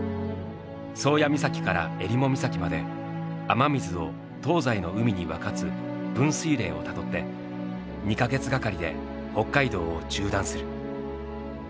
宗谷岬から襟裳岬まで雨水を東西の海に分かつ分水嶺をたどって２か月がかりで北海道を縦断する。